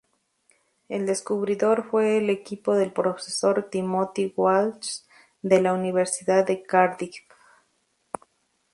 El descubridor fue el equipo del profesor Timothy Walsh, de la Universidad de Cardiff.